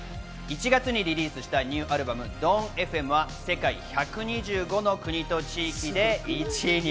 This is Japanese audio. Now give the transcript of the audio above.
１月にリリースしたニューアルバム『ＤａｗｎＦＭ』は世界１２５の国と地域で１位に。